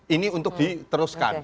ini untuk diteruskan